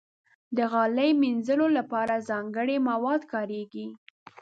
د غالۍ مینځلو لپاره ځانګړي مواد کارېږي.